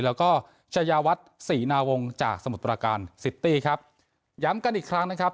แล้วก็ชายาวัฒน์ศรีนาวงศ์จากสมุทรประการซิตี้ครับย้ำกันอีกครั้งนะครับ